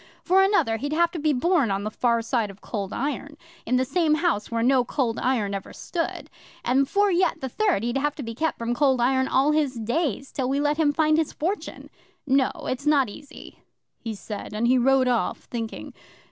For another, he'd have to be born on the far side of Cold Iron in some house where no Cold Iron ever stood; and for yet the third, he'd have to be kept from Cold Iron all his days till we let him find his fortune. No, it's not easy," he said, and he rode off, thinking.